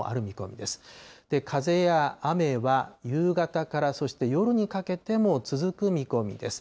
風や雨は夕方から、そして夜にかけても続く見込みです。